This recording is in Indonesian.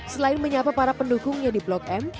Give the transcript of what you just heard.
selain menyapa para pendukungnya di blok m